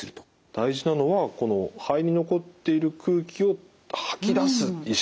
大事なのはこの肺に残っている空気を吐き出す意識ってことですね。